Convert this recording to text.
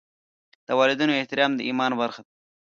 د والدینو احترام د ایمان برخه ده.